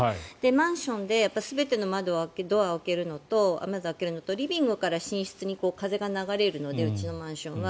マンションで全ての窓、ドアを開けるのとリビングから寝室に風が流れるのでうちのマンションは。